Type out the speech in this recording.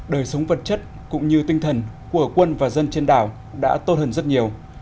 đời sống vật chất cũng như tinh thần của quân và dân trên đảo đã tốt hơn rất nhiều